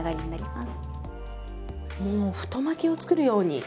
もう太巻きを作るように。